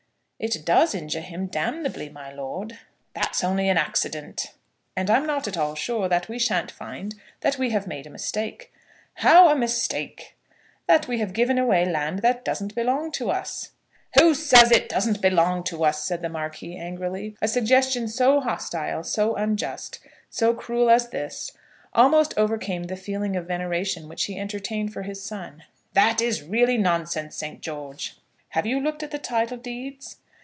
"It does injure him damnably, my lord." "That's only an accident." "And I'm not at all sure that we shan't find that we have made a mistake." "How a mistake?" "That we have given away land that doesn't belong to us." "Who says it doesn't belong to us?" said the Marquis, angrily. A suggestion so hostile, so unjust, so cruel as this, almost overcame the feeling of veneration which he entertained for his son. "That is really nonsense, Saint George." "Have you looked at the title deeds?"